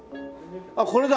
あっこれだ！